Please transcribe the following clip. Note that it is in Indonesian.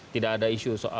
tidak ada isu soal